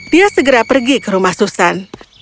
dia segera pergi ke rumah susan